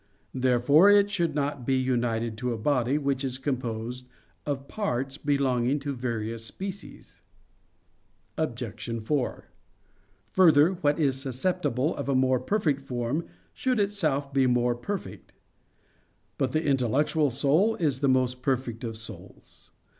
Therefore, it should not be united to a body which is composed of parts belonging to various species. Obj. 4: Further, what is susceptible of a more perfect form should itself be more perfect. But the intellectual soul is the most perfect of souls.